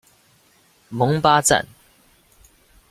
蒙巴赞。